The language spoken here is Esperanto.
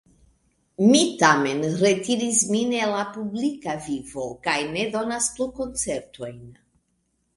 Mi tamen retiris min el la publika vivo kaj ne donas plu koncertojn.